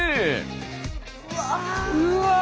うわ！